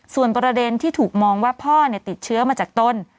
ส่วนประเด็นที่ถูกมองว่าพ่อติดเชื้อมาจากตน